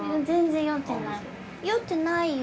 全然酔ってない。